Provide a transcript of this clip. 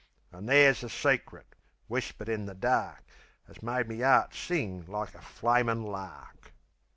An' there's a secret, whispered in the dark, 'As made me 'eart sing like a flamin' lark.